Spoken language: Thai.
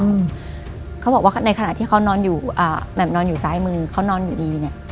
เขาบอกว่าในขณะที่เขานอนอยู่ซ้ายมือเขานอนอยู่ดี